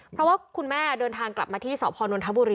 เพราะว่าคุณแม่เดินทางกลับมาที่สพนนทบุรี